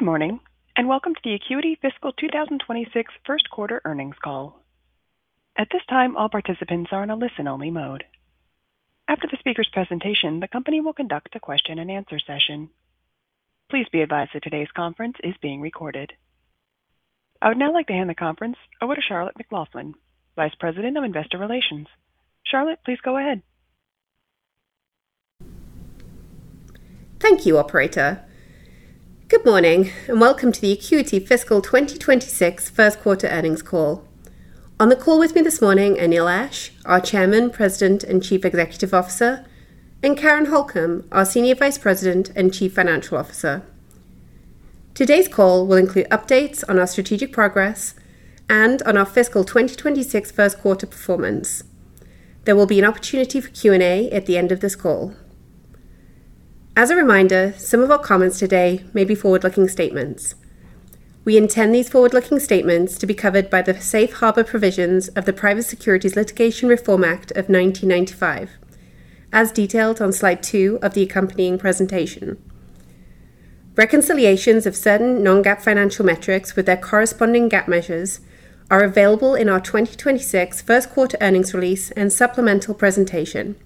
Good morning and welcome to the Acuity Fiscal 2026 First Quarter Earnings Call. At this time, all participants are in a listen-only mode. After the speakers' presentation, the company will conduct a question-and-answer session. Please be advised that today's conference is being recorded. I would now like to hand the conference over to Charlotte McLaughlin, Vice President of Investor Relations. Charlotte, please go ahead. Thank you, Operator. Good morning and welcome to the Acuity fiscal 2026 first quarter earnings call. On the call with me this morning are Neil Ashe, our Chairman, President, and Chief Executive Officer, and Karen Holcomb, our Senior Vice President and Chief Financial Officer. Today's call will include updates on our strategic progress and on our fiscal 2026 first quarter performance. There will be an opportunity for Q&A at the end of this call. As a reminder, some of our comments today may be forward-looking statements. We intend these forward-looking statements to be covered by the safe harbor provisions of the Private Securities Litigation Reform Act of 1995, as detailed on slide 2 of the accompanying presentation. Reconciliations of certain non-GAAP financial metrics with their corresponding GAAP measures are available in our 2026 first quarter Earnings Release and Supplemental Presentation,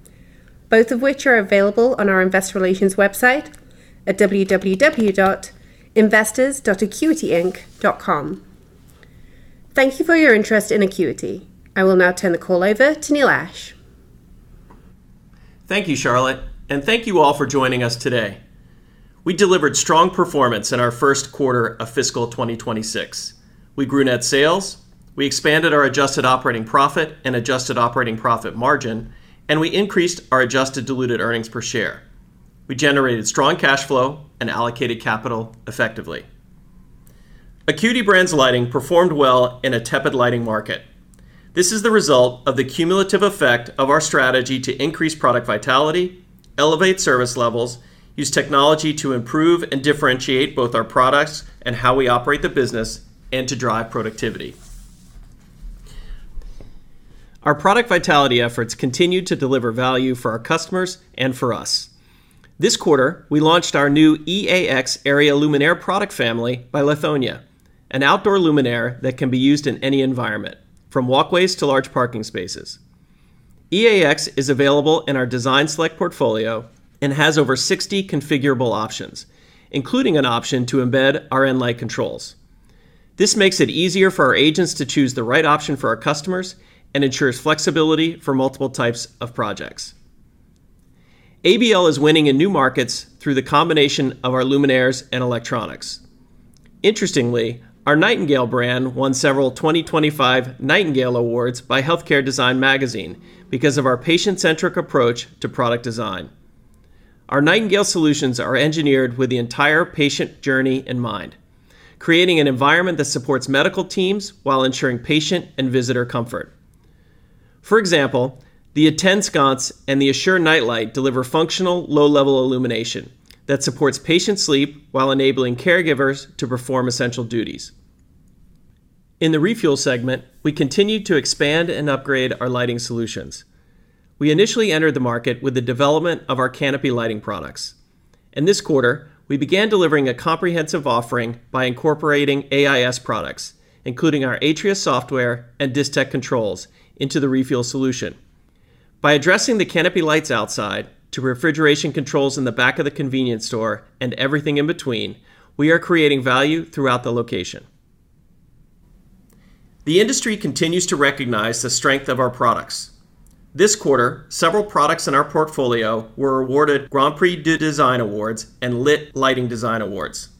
both of which are available on our Investor Relations website at www.investors.acuityinc.com.Thank you for your interest in Acuity. I will now turn the call over to Neil Ashe. Thank you, Charlotte, and thank you all for joining us today. We delivered strong performance in our first quarter of fiscal 2026. We grew net sales, we expanded our adjusted operating profit and adjusted operating profit margin, and we increased our adjusted diluted earnings per share. We generated strong cash flow and allocated capital effectively. Acuity Brands Lighting performed well in a tepid lighting market. This is the result of the cumulative effect of our strategy to increase product vitality, elevate service levels, use technology to improve and differentiate both our products and how we operate the business, and to drive productivity. Our product vitality efforts continue to deliver value for our customers and for us. This quarter, we launched our new EAX Area Luminaire product family by Lithonia, an outdoor luminaire that can be used in any environment, from walkways to large parking spaces. EAX is available in our Design Select portfolio and has over 60 configurable options, including an option to embed nLight controls. This makes it easier for our agents to choose the right option for our customers and ensures flexibility for multiple types of projects. ABL is winning in new markets through the combination of our luminaires and electronics. Interestingly, our Nightingale brand won several 2025 Nightingale Awards by Healthcare Design Magazine because of our patient-centric approach to product design. Our Nightingale solutions are engineered with the entire patient journey in mind, creating an environment that supports medical teams while ensuring patient and visitor comfort. For example, the Attend Sconce and the Assure nightlight deliver functional low-level illumination that supports patient sleep while enabling caregivers to perform essential duties. In the Refuel segment, we continue to expand and upgrade our lighting solutions. We initially entered the market with the development of our canopy lighting products. In this quarter, we began delivering a comprehensive offering by incorporating AIS products, including our Atrius software and Distech controls, into the Refuel solution. By addressing the canopy lights outside to refrigeration controls in the back of the convenience store and everything in between, we are creating value throughout the location. The industry continues to recognize the strength of our products. This quarter, several products in our portfolio were awarded GRANDS PRIX DU DESIGN Awards and LIT Lighting Design Awards.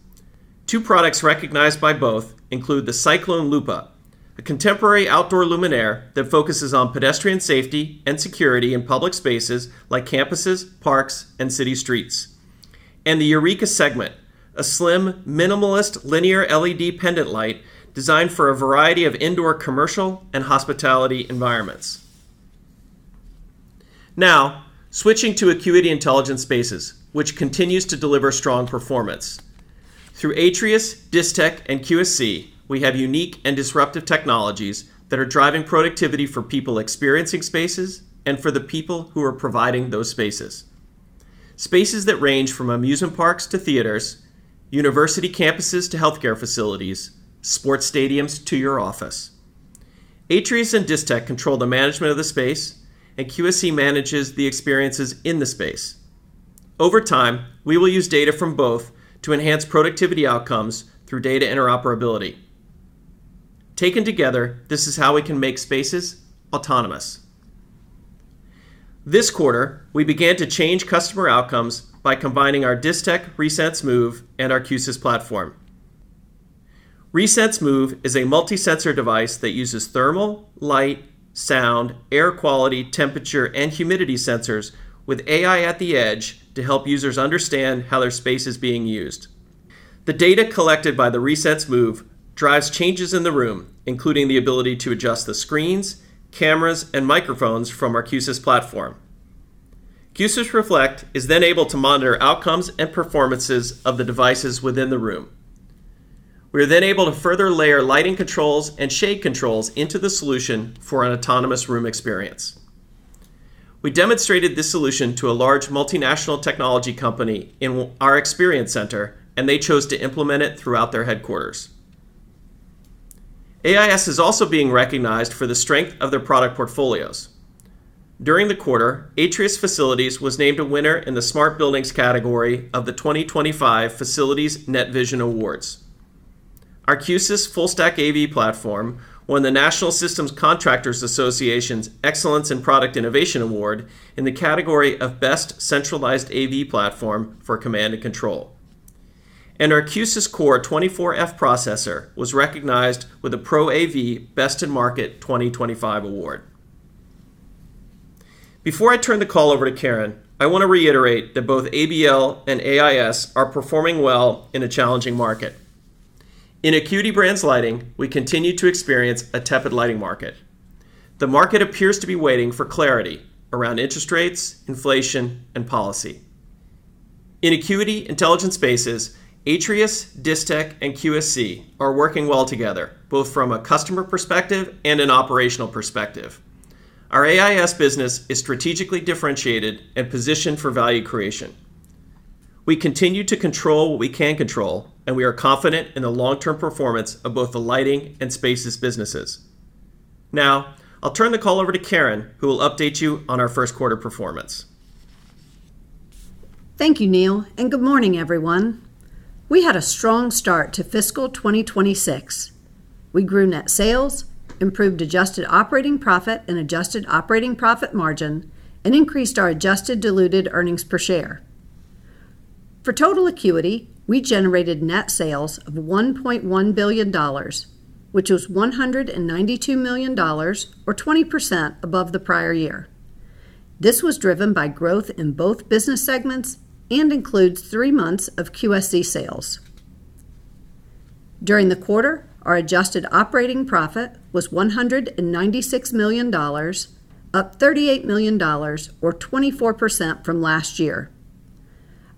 Two products recognized by both include the Cyclone Lupa, a contemporary outdoor luminaire that focuses on pedestrian safety and security in public spaces like campuses, parks, and city streets, and the Eureka segment, a slim, minimalist linear LED pendant light designed for a variety of indoor commercial and hospitality environments. Now, switching to Acuity Intelligent Spaces, which continues to deliver strong performance. Through Atrius, Distech, and QSC, we have unique and disruptive technologies that are driving productivity for people experiencing spaces and for the people who are providing those spaces. Spaces that range from amusement parks to theaters, university campuses to healthcare facilities, sports stadiums to your office. Atrius and Distech control the management of the space, and QSC manages the experiences in the space. Over time, we will use data from both to enhance productivity outcomes through data interoperability. Taken together, this is how we can make spaces autonomous. This quarter, we began to change customer outcomes by combining our Distech Resense Move and our Q-SYS platform. Resense Move is a multi-sensor device that uses thermal, light, sound, air quality, temperature, and humidity sensors with AI at the edge to help users understand how their space is being used. The data collected by the Resense Move drives changes in the room, including the ability to adjust the screens, cameras, and microphones from our Q-SYS platform. Q-SYS Reflect is then able to monitor outcomes and performances of the devices within the room. We are then able to further layer lighting controls and shade controls into the solution for an autonomous room experience. We demonstrated this solution to a large multinational technology company in our experience center, and they chose to implement it throughout their headquarters. AIS is also being recognized for the strength of their product portfolios. During the quarter, Atrius Facilities was named a winner in the Smart Buildings category of the 2025 Facilities Net Vision Awards. Our Q-SYS Full Stack AV Platform won the National Systems Contractors Association's Excellence in Product Innovation Award in the category of Best Centralized AV Platform for Command and Control, and our Q-SYS Core 24f processor was recognized with a Pro AV Best in Market 2025 Award. Before I turn the call over to Karen, I want to reiterate that both ABL and AIS are performing well in a challenging market. In Acuity Brands Lighting, we continue to experience a tepid lighting market. The market appears to be waiting for clarity around interest rates, inflation, and policy. In Acuity Intelligent Spaces, Atrius, Distech, and QSC are working well together, both from a customer perspective and an operational perspective. Our AIS business is strategically differentiated and positioned for value creation. We continue to control what we can control, and we are confident in the long-term performance of both the lighting and spaces businesses. Now, I'll turn the call over to Karen, who will update you on our first quarter performance. Thank you, Neil, and good morning, everyone. We had a strong start to fiscal 2026. We grew net sales, improved adjusted operating profit and adjusted operating profit margin, and increased our adjusted diluted earnings per share. For total Acuity, we generated net sales of $1.1 billion, which was $192 million, or 20% above the prior year. This was driven by growth in both business segments and includes three months of QSC sales. During the quarter, our adjusted operating profit was $196 million, up $38 million, or 24% from last year.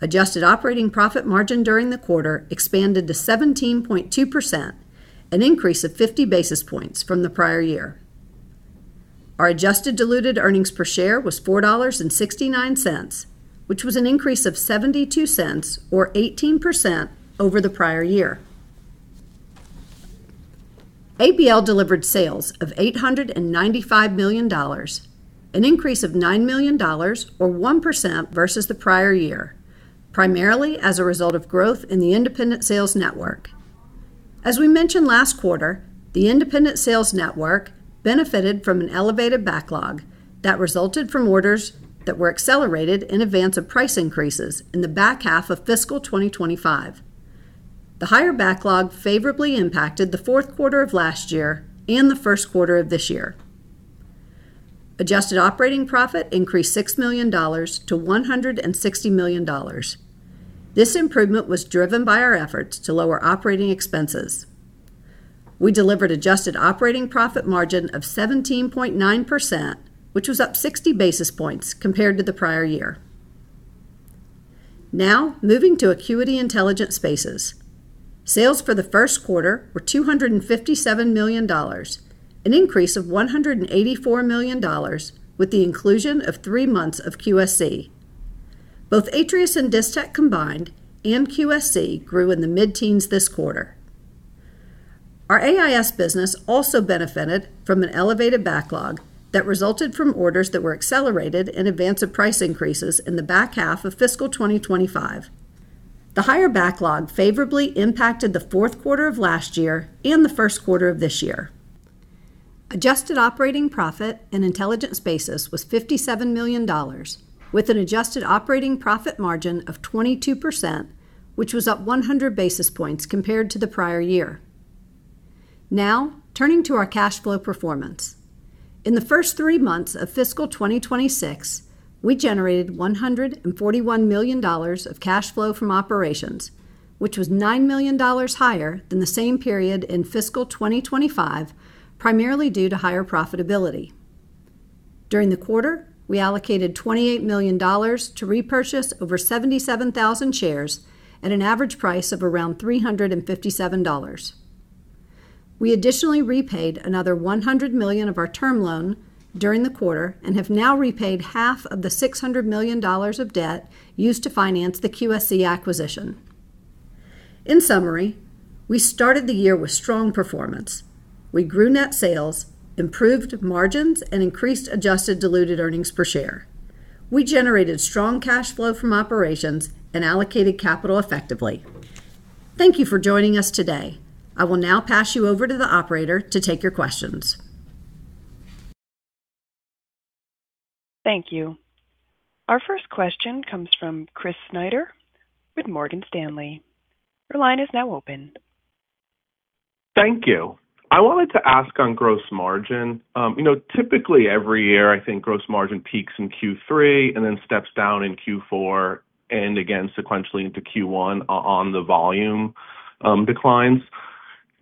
Adjusted operating profit margin during the quarter expanded to 17.2%, an increase of 50 basis points from the prior year. Our adjusted diluted earnings per share was $4.69, which was an increase of $0.72, or 18% over the prior year. ABL delivered sales of $895 million, an increase of $9 million, or 1% versus the prior year, primarily as a result of growth in the independent sales network. As we mentioned last quarter, the independent sales network benefited from an elevated backlog that resulted from orders that were accelerated in advance of price increases in the back half of fiscal 2025. The higher backlog favorably impacted the fourth quarter of last year and the first quarter of this year. Adjusted operating profit increased $6 million to $160 million. This improvement was driven by our efforts to lower operating expenses. We delivered adjusted operating profit margin of 17.9%, which was up 60 basis points compared to the prior year. Now, moving to Acuity Intelligent Spaces. Sales for the first quarter were $257 million, an increase of $184 million with the inclusion of three months of QSC. Both Atrius and Distech combined and QSC grew in the mid-teens this quarter. Our AIS business also benefited from an elevated backlog that resulted from orders that were accelerated in advance of price increases in the back half of fiscal 2025. The higher backlog favorably impacted the fourth quarter of last year and the first quarter of this year. Adjusted operating profit in Intelligence Spaces was $57 million, with an adjusted operating profit margin of 22%, which was up 100 basis points compared to the prior year. Now, turning to our cash flow performance. In the first three months of fiscal 2026, we generated $141 million of cash flow from operations, which was $9 million higher than the same period in fiscal 2025, primarily due to higher profitability. During the quarter, we allocated $28 million to repurchase over 77,000 shares at an average price of around $357. We additionally repaid another $100 million of our term loan during the quarter and have now repaid $300 million of the $600 million of debt used to finance the QSC acquisition. In summary, we started the year with strong performance. We grew net sales, improved margins, and increased adjusted diluted earnings per share. We generated strong cash flow from operations and allocated capital effectively. Thank you for joining us today. I will now pass you over to the operator to take your questions. Thank you. Our first question comes from Chris Snyder with Morgan Stanley. Your line is now open. Thank you. I wanted to ask on gross margin. Typically, every year, I think gross margin peaks in Q3 and then steps down in Q4 and again sequentially into Q1 on the volume declines.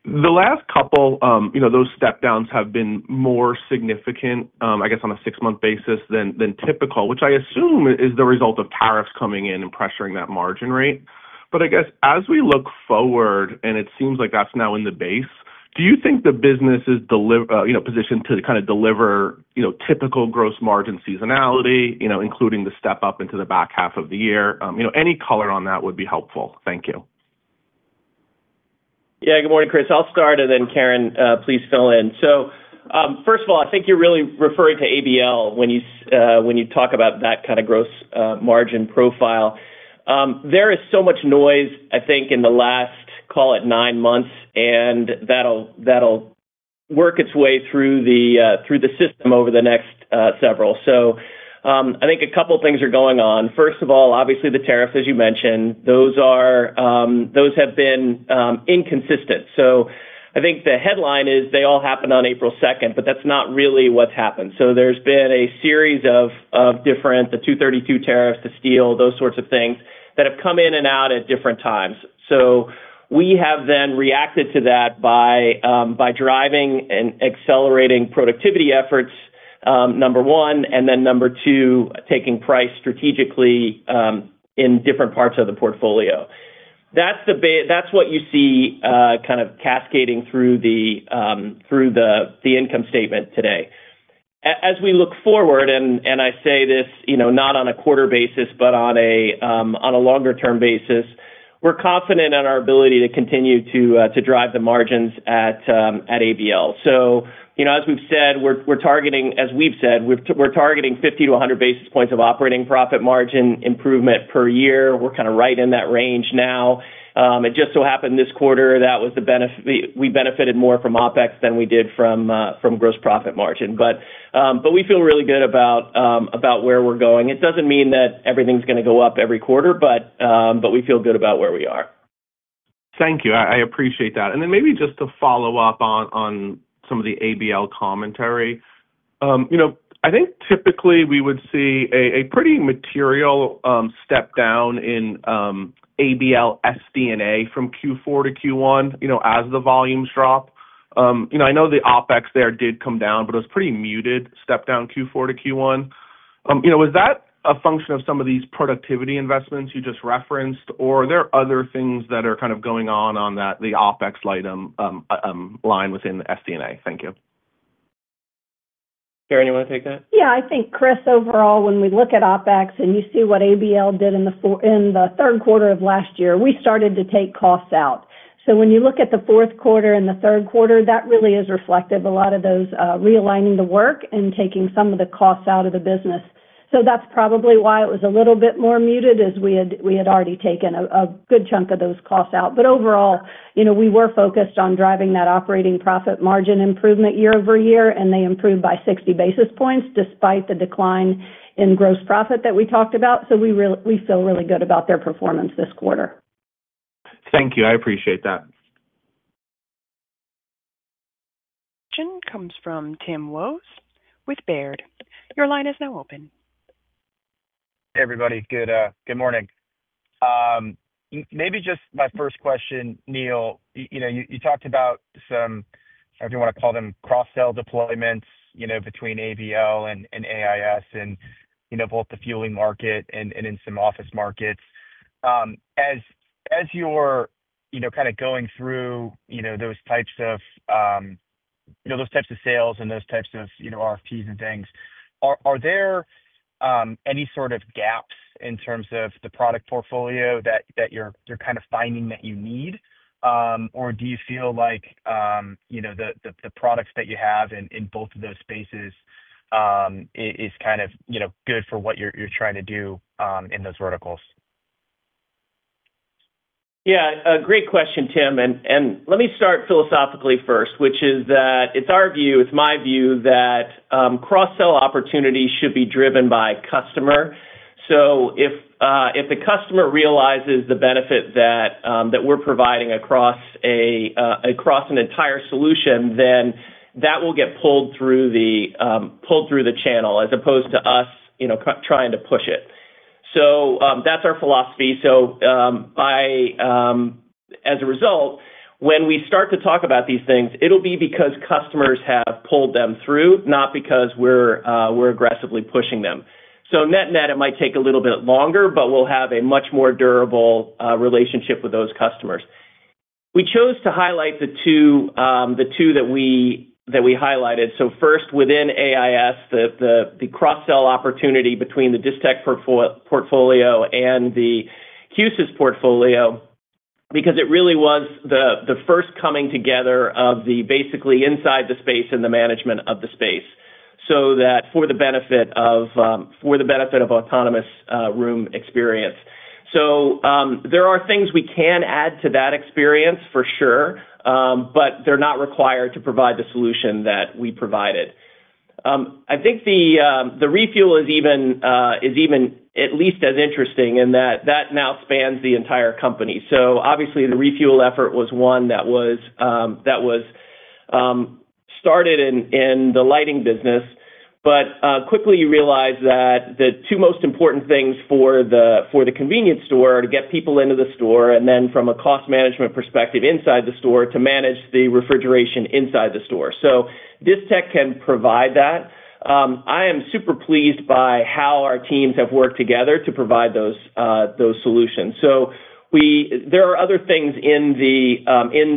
The last couple of those step-downs have been more significant, I guess, on a six-month basis than typical, which I assume is the result of tariffs coming in and pressuring that margin rate. But I guess as we look forward, and it seems like that's now in the base, do you think the business is positioned to kind of deliver typical gross margin seasonality, including the step-up into the back half of the year? Any color on that would be helpful. Thank you. Yeah, good morning, Chris. I'll start, and then Karen, please fill in. So first of all, I think you're really referring to ABL when you talk about that kind of gross margin profile. There is so much noise, I think, in the last, call it, nine months, and that'll work its way through the system over the next several. SoI think a couple of things are going on. First of all, obviously, the tariffs, as you mentioned, those have been inconsistent. I think the headline is they all happened on April 2nd, but that's not really what's happened. So there's been a series of different 232 tariffs, the steel, those sorts of things that have come in and out at different times. We have then reacted to that by driving and accelerating productivity efforts, number one, and then number two, taking price strategically in different parts of the portfolio. That's what you see kind of cascading through the income statement today. As we look forward, and I say this not on a quarter basis, but on a longer-term basis, we're confident in our ability to continue to drive the margins at ABL. So as we've said, we're targeting 50-100 basis points of operating profit margin improvement per year. We're kind of right in that range now. It just so happened this quarter that we benefited more from OpEx than we did from gross profit margin. But we feel really good about where we're going. It doesn't mean that everything's going to go up every quarter, but we feel good about where we are. Thank you. I appreciate that. And then maybe just to follow up on some of the ABL commentary. I think typically we would see a pretty material step-down in ABL SD&A from Q4 to Q1 as the volumes drop. I know the OpEx there did come down, but it was a pretty muted step-down Q4 to Q1. Was that a function of some of these productivity investments you just referenced, or are there other things that are kind of going on on the OpEx line within the SD&A? Thank you. Karen, you want to take that? Yeah. I think, Chris, overall, when we look at OpEx and you see what ABL did in the third quarter of last year, we started to take costs out. So when you look at the fourth quarter and the third quarter, that really is reflective of a lot of those realigning the work and taking some of the costs out of the business. So that's probably why it was a little bit more muted as we had already taken a good chunk of those costs out. But overall, we were focused on driving that operating profit margin improvement year over year, and they improved by 60 basis points despite the decline in gross profit that we talked about. So we feel really good about their performance this quarter. Thank you. I appreciate that. Question comes from Tim Wojs with Baird. Your line is now open. Hey, everybody. Good morning. Maybe just my first question, Neil. You talked about some, if you want to call them cross-sell deployments between ABL and AIS in both the fueling market and in some office markets. As you're kind of going through those types of sales and those types of RFPs and things, are there any sort of gaps in terms of the product portfolio that you're kind of finding that you need, or do you feel like the products that you have in both of those spaces is kind of good for what you're trying to do in those verticals? Yeah. Great question, Tim. And let me start philosophically first, which is that it's our view, it's my view that cross-sell opportunities should be driven by customer. So if the customer realizes the benefit that we're providing across an entire solution, then that will get pulled through the channel as opposed to us trying to push it. So that's our philosophy. So as a result, when we start to talk about these things, it'll be because customers have pulled them through, not because we're aggressively pushing them. So net-net, it might take a little bit longer, but we'll have a much more durable relationship with those customers. We chose to highlight the two that we highlighted. So first, within AIS, the cross-sell opportunity between the Distech portfolio and the QSC portfolio because it really was the first coming together of the basically inside the space and the management of the space so that for the benefit of autonomous room experience. So there are things we can add to that experience for sure, but they're not required to provide the solution that we provided. I think the Refuel is even at least as interesting in that that now spans the entire company. So obviously, the Refuel effort was one that was started in the lighting business, but quickly you realize that the two most important things for the convenience store are to get people into the store and then from a cost management perspective inside the store to manage the refrigeration inside the store. So Distech can provide that. I am super pleased by how our teams have worked together to provide those solutions. So there are other things in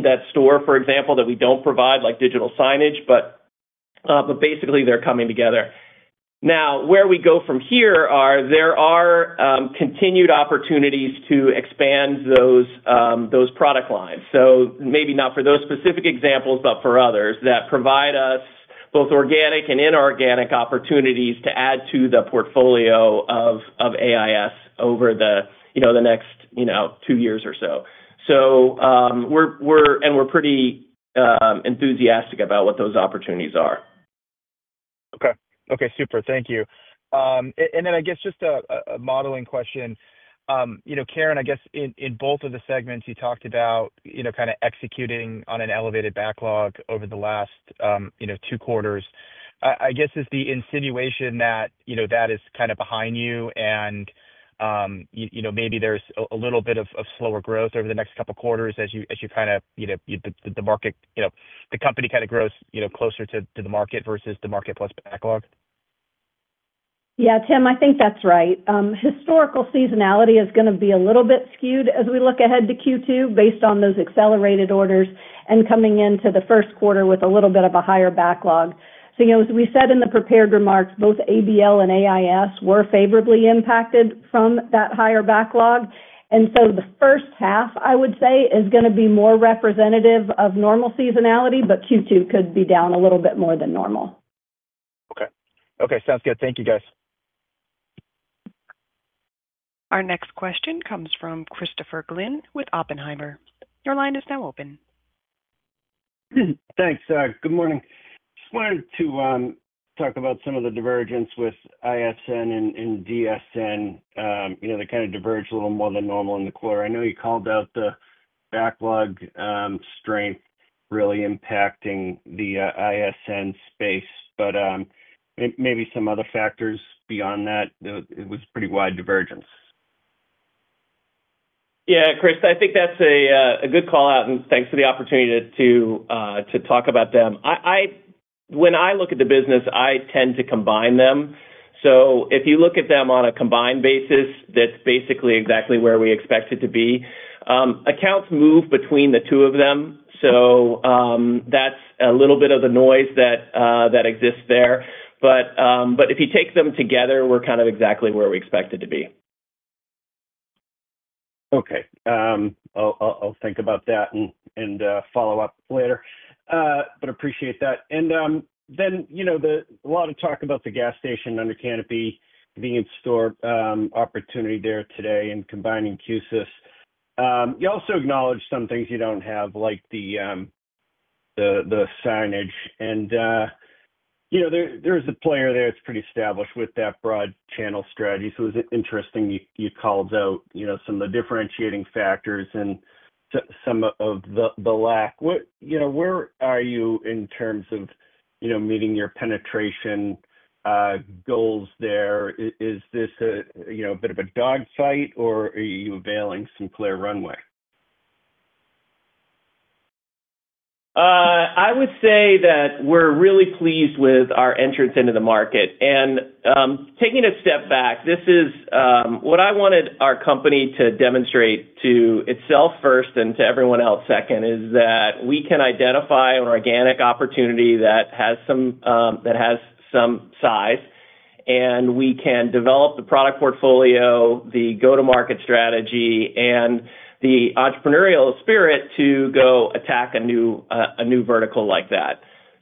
that store, for example, that we don't provide, like digital signage, but basically they're coming together. Now, where we go from here, there are continued opportunities to expand those product lines. So maybe not for those specific examples, but for others that provide us both organic and inorganic opportunities to add to the portfolio of AIS over the next two years or so. And we're pretty enthusiastic about what those opportunities are. Okay. Super. Thank you. And then I guess just a modeling question. Karen, I guess in both of the segments you talked about kind of executing on an elevated backlog over the last two quarters. I guess is the insinuation that that is kind of behind you and maybe there's a little bit of slower growth over the next couple of quarters as you kind of the market, the company kind of grows closer to the market versus the market plus backlog? Yeah, Tim, I think that's right. Historical seasonality is going to be a little bit skewed as we look ahead to Q2 based on those accelerated orders and coming into the first quarter with a little bit of a higher backlog. So as we said in the prepared remarks, both ABL and AIS were favorably impacted from that higher backlog. And so the first half, I would say, is going to be more representative of normal seasonality, but Q2 could be down a little bit more than normal. Okay. Sounds good. Thank you, guys. Our next question comes from Christopher Glynn with Oppenheimer. Your line is now open. Thanks. Good morning. Just wanted to talk about some of the divergence with ISN and DSN. They kind of diverge a little more than normal in the quarter. I know you called out the backlog strength really impacting the ISN space, but maybe some other factors beyond that. It was pretty wide divergence. Yeah, Chris, I think that's a good call out, and thanks for the opportunity to talk about them. When I look at the business, I tend to combine them. So if you look at them on a combined basis, that's basically exactly where we expect it to be. Accounts move between the two of them, so that's a little bit of the noise that exists there. But if you take them together, we're kind of exactly where we expect it to be. Okay. I'll think about that and follow up later, but appreciate that. And then a lot of talk about the gas station under canopy convenience store opportunity there today and combining Q-SYS. You also acknowledged some things you don't have, like the signage. And there is a player there that's pretty established with that broad channel strategy. So it was interesting you called out some of the differentiating factors and some of the lack. Where are you in terms of meeting your penetration goals there? Is this a bit of a dogfight, or are you availing some clear runway? I would say that we're really pleased with our entrance into the market, and taking a step back, this is what I wanted our company to demonstrate to itself first and to everyone else second, is that we can identify an organic opportunity that has some size, and we can develop the product portfolio, the go-to-market strategy, and the entrepreneurial spirit to go attack a new vertical like that,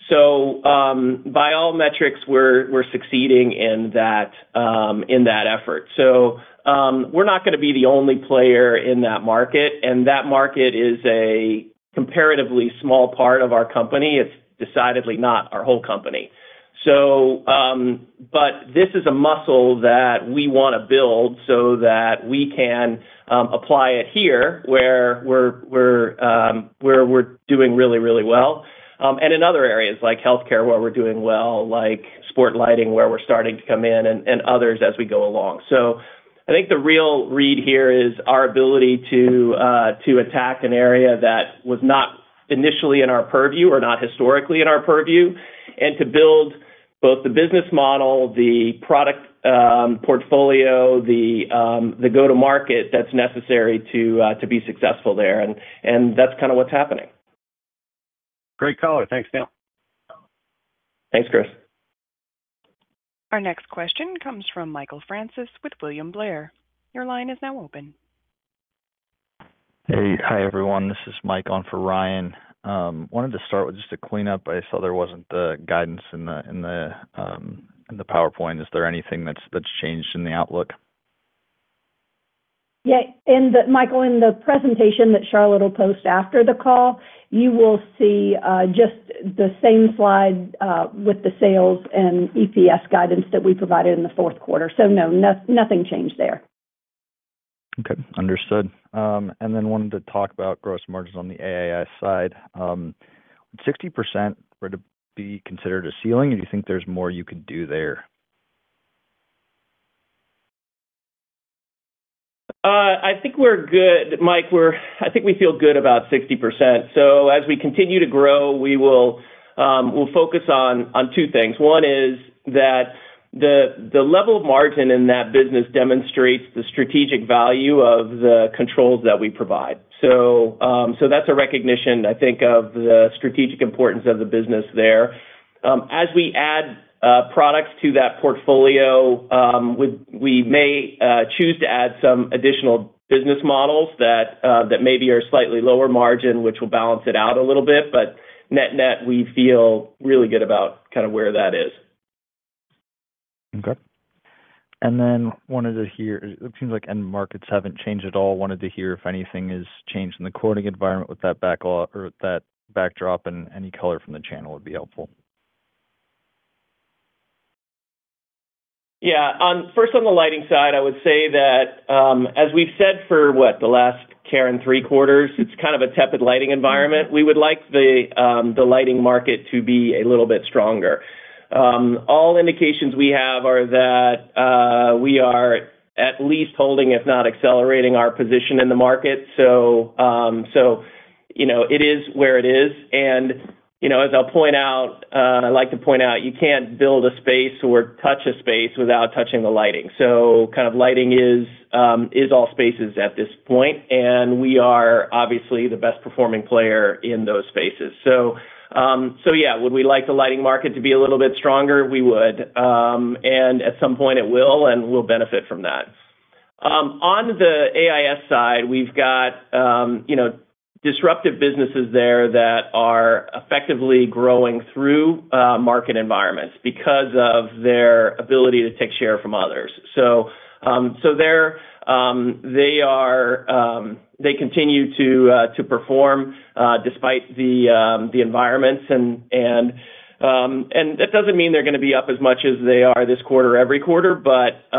so by all metrics, we're succeeding in that effort, so we're not going to be the only player in that market, and that market is a comparatively small part of our company. It's decidedly not our whole company, but this is a muscle that we want to build so that we can apply it here where we're doing really, really well. And in other areas like healthcare, where we're doing well, like sport lighting, where we're starting to come in, and others as we go along. I think the real read here is our ability to attack an area that was not initially in our purview or not historically in our purview and to build both the business model, the product portfolio, the go-to-market that's necessary to be successful there. And that's kind of what's happening. Great color. Thanks, Neil. Thanks, Chris. Our next question comes from Michael Francis with William Blair. Your line is now open. Hey, hi everyone. This is Mike on for Ryan. Wanted to start with just a cleanup. I saw there wasn't the guidance in the PowerPoint. Is there anything that's changed in the outlook? Yeah. And Michael, in the presentation that Charlotte will post after the call, you will see just the same slide with the sales and EPS guidance that we provided in the fourth quarter. So no, nothing changed there. Okay. Understood. And then wanted to talk about gross margins on the AIS side. 60% would be considered a ceiling. Do you think there's more you could do there? I think we're good. Mike, I think we feel good about 60%. So as we continue to grow, we will focus on two things. One is that the level of margin in that business demonstrates the strategic value of the controls that we provide. So that's a recognition, I think, of the strategic importance of the business there. As we add products to that portfolio, we may choose to add some additional business models that maybe are slightly lower margin, which will balance it out a little bit. But net-net, we feel really good about kind of where that is. Okay. And then wanted to hear. It seems like end markets haven't changed at all. Wanted to hear if anything has changed in the quoting environment with that backdrop, and any color from the channel would be helpful. Yeah. First, on the lighting side, I would say that as we've said for, what, the last, Karen, three quarters, it's kind of a tepid lighting environment. We would like the lighting market to be a little bit stronger. All indications we have are that we are at least holding, if not accelerating our position in the market. So it is where it is. And as I'll point out, I like to point out, you can't build a space or touch a space without touching the lighting. So kind of lighting is all spaces at this point, and we are obviously the best-performing player in those spaces. So yeah, would we like the lighting market to be a little bit stronger? We would. And at some point, it will, and we'll benefit from that. On the AIS side, we've got disruptive businesses there that are effectively growing through market environments because of their ability to take share from others. So they continue to perform despite the environments. And that doesn't mean they're going to be up as much as they are this quarter every quarter, but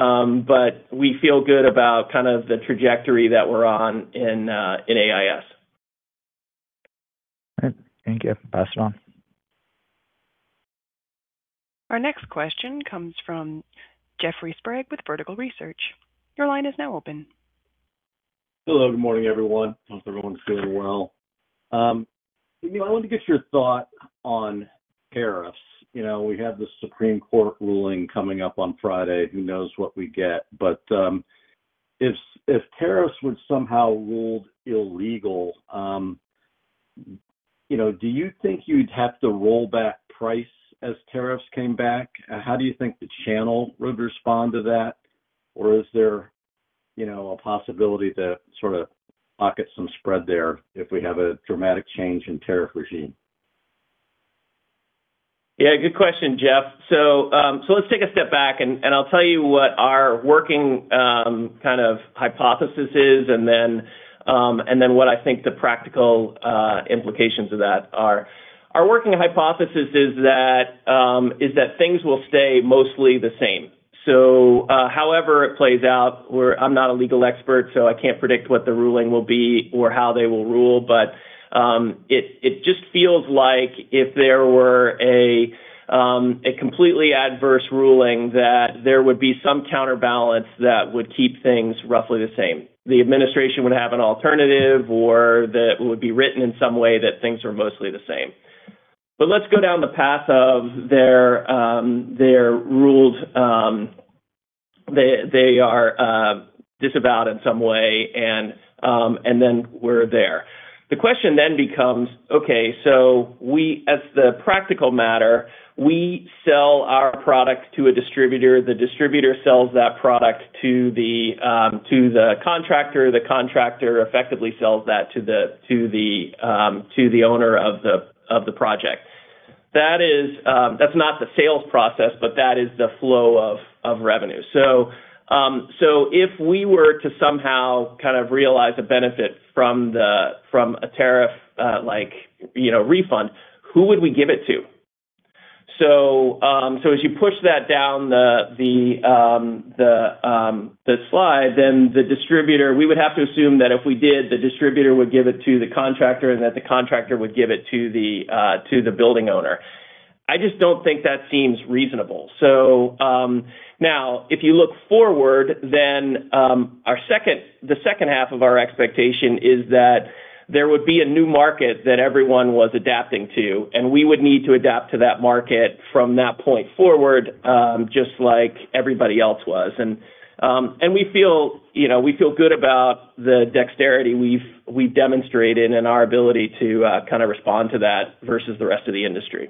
we feel good about kind of the trajectory that we're on in AIS. All right. Thank you. Pass it on. Our next question comes from Jeffrey Sprague with Vertical Research. Your line is now open. Hello. Good morning, everyone. Hope everyone's doing well. I wanted to get your thought on tariffs. We have the Supreme Court ruling coming up on Friday. Who knows what we get? But if tariffs were somehow ruled illegal, do you think you'd have to roll back price as tariffs came back? How do you think the channel would respond to that? Or is there a possibility to sort of pocket some spread there if we have a dramatic change in tariff regime? Yeah. Good question, Jeff. So let's take a step back, and I'll tell you what our working kind of hypothesis is and then what I think the practical implications of that are. Our working hypothesis is that things will stay mostly the same. So however it plays out, I'm not a legal expert, so I can't predict what the ruling will be or how they will rule, but it just feels like if there were a completely adverse ruling, that there would be some counterbalance that would keep things roughly the same. The administration would have an alternative or that would be written in some way that things are mostly the same. But let's go down the path of they're ruled they are disavowed in some way, and then we're there. The question then becomes, okay, so as a practical matter, we sell our product to a distributor. The distributor sells that product to the contractor. The contractor effectively sells that to the owner of the project. That's not the sales process, but that is the flow of revenue. So if we were to somehow kind of realize a benefit from a tariff refund, who would we give it to? So as you push that down the supply chain, then the distributor, we would have to assume that if we did, the distributor would give it to the contractor and that the contractor would give it to the building owner. I just don't think that seems reasonable. So now, if you look forward, then the second half of our expectation is that there would be a new market that everyone was adapting to, and we would need to adapt to that market from that point forward just like everybody else was. We feel good about the dexterity we've demonstrated and our ability to kind of respond to that versus the rest of the industry.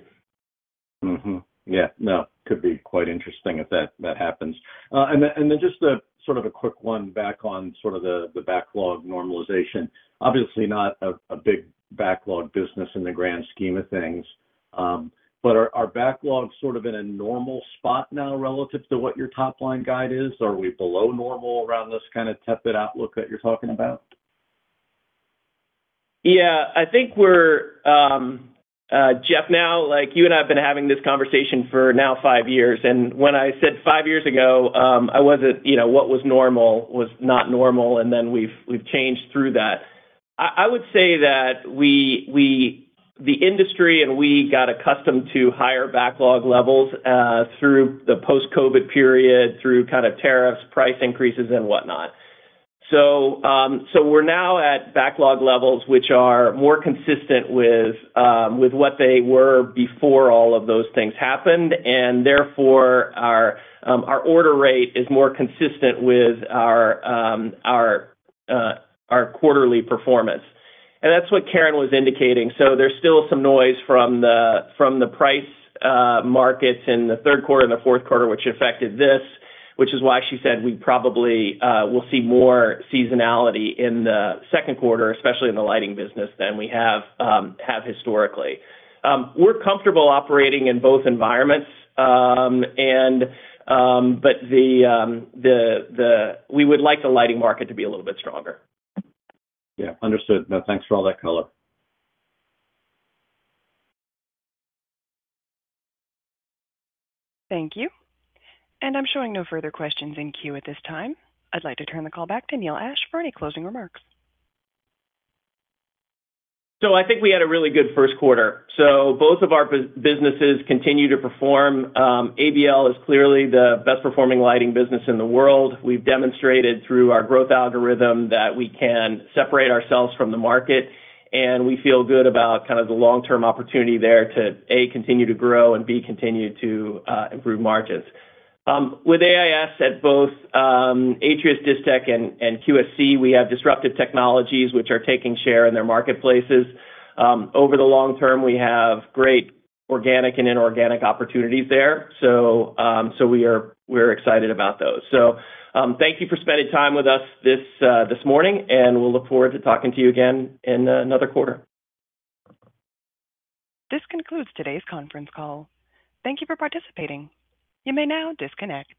Yeah. No, it could be quite interesting if that happens, and then just sort of a quick one back on sort of the backlog normalization. Obviously, not a big backlog business in the grand scheme of things, but are backlogs sort of in a normal spot now relative to what your top line guide is? Are we below normal around this kind of tepid outlook that you're talking about? Yeah. I think we're, Jeff, now, you and I have been having this conversation for now five years, and when I said five years ago, I wasn't what was normal was not normal, and then we've changed through that. I would say that the industry and we got accustomed to higher backlog levels through the post-COVID period, through kind of tariffs, price increases, and whatnot, so we're now at backlog levels, which are more consistent with what they were before all of those things happened, and therefore, our order rate is more consistent with our quarterly performance, and that's what Karen was indicating, so there's still some noise from the price markets in the third quarter and the fourth quarter, which affected this, which is why she said we probably will see more seasonality in the second quarter, especially in the lighting business than we have historically. We're comfortable operating in both environments, but we would like the lighting market to be a little bit stronger. Yeah. Understood. No, thanks for all that color. Thank you, and I'm showing no further questions in queue at this time. I'd like to turn the call back to Neil Ashe for any closing remarks. I think we had a really good first quarter. So both of our businesses continue to perform. ABL is clearly the best-performing lighting business in the world. We've demonstrated through our growth algorithm that we can separate ourselves from the market, and we feel good about kind of the long-term opportunity there to, A, continue to grow, and B, continue to improve margins. With AIS at both Atrius, Distech, and QSC, we have disruptive technologies, which are taking share in their marketplaces. Over the long term, we have great organic and inorganic opportunities there. So we're excited about those. So thank you for spending time with us this morning, and we'll look forward to talking to you again in another quarter. This concludes today's conference call. Thank you for participating. You may now disconnect.